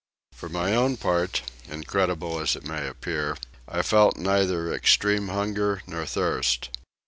For my own part, incredible as it may appear, I felt neither extreme hunger nor thirst.